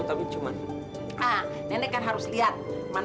ah nenek kan harus ngantri anak mama kembali ke kantor lagi gak apa apa kan